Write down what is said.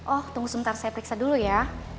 oh tunggu sebentar saya periksa dulu ya